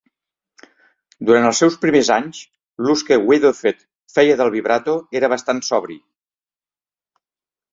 Durant els seus primers anys, l'ús que Wiedoeft feia del vibrato era bastant sobri.